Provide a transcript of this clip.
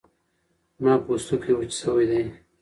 زما پوستکی وچ شوی دی